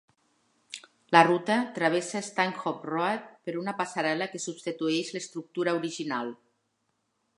La ruta travessa Stanhope Road per una passarel·la que substitueix l'estructura original.